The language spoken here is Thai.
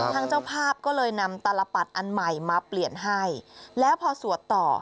เจ้าภาพก็เลยนำตลปัดอันใหม่มาเปลี่ยนให้แล้วพอสวดต่อ